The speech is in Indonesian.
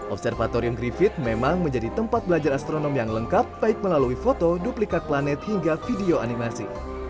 observatorium griffith memang menjadi tempat belajar astronom yang lengkap baik melalui foto duplikat planet hingga video animasi